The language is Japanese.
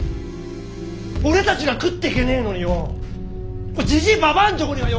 俺たちが食ってけねえのによじじいばばあのとこにはよ